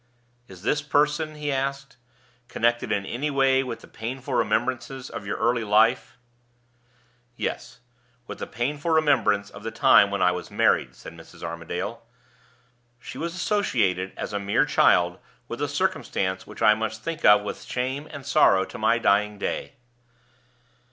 "Is this person," he asked, "connected in any way with the painful remembrances of your early life?" "Yes; with the painful remembrance of the time when I was married," said Mrs. Armadale. "She was associated, as a mere child, with a circumstance which I must think of with shame and sorrow to my dying day."